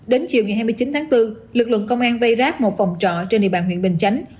đến chiều ngày hai mươi chín tháng bốn lực lượng công an vây ráp một phòng trọ trên địa bàn huyện bình chánh